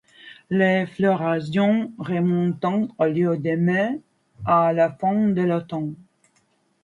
La floraison remontante a lieu de mai à la fin de l'automne.